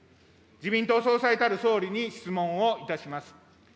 自民党総裁たる総理に質問をいたします。